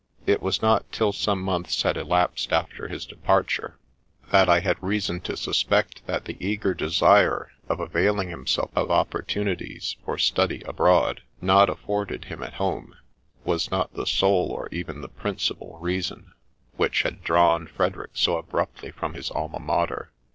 It was not till some months had elapsed after his departure, that I had reason to suspect that the eager desire of availing himself of opportunities for study abroad, not afforded him at home, was not the sole, or even the principal, reason which had drawn Frederick so abruptly from his Alma Mater.